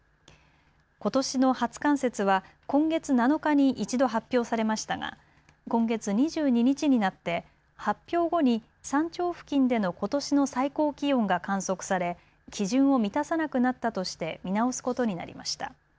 ことしの初冠雪は今月７日に１度発表されましたが今月２２日になって発表後に山頂付近でのことしの最高気温が観測され基準を満たさなくなったとして見直すことになりました。